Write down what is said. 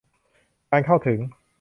การเข้าถึง